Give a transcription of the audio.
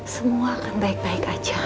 semua akan baik baik aja